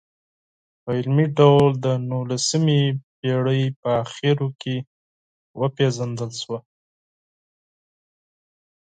په علمي ډول د نولسمې پېړۍ په اخرو کې وپېژندل شوه.